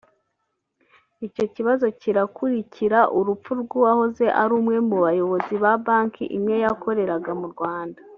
Icyo kibazo kirakurikira urupfu rw’uwahoze ari umwe mu bayobozi ba banki imwe yakoreraga mu Rwanda